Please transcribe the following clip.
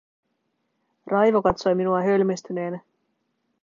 Raivo katsoi minua hölmistyneenä.